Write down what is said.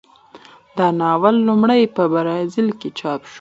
دا ناول لومړی په برازیل کې چاپ شو.